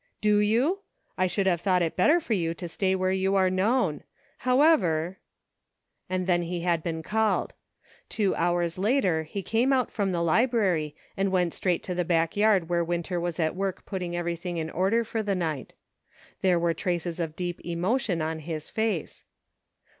" Do you ? I should have thought it better for you to stay where you were known. However "— And then he had been called. Two hours later he came out from the library, and went straight to the back yard where Winter was at work putting everything in order for the night. There were traces of deep emotion on his face.